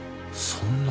そんな。